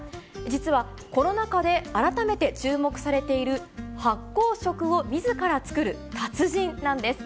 実は、コロナ禍で改めて注目されている発酵食をみずから作る達人なんです。